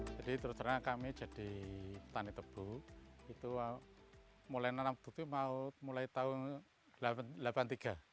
jadi terutama kami jadi petani tebu itu mulai tahun seribu sembilan ratus delapan puluh tiga